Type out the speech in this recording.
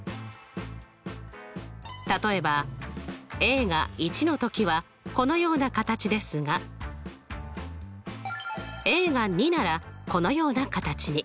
例えばが１の時はこのような形ですがが２ならこのような形に。